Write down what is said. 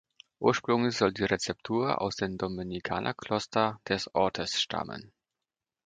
Ursprünglich soll die Rezeptur aus dem Dominikanerkloster des Ortes stammen.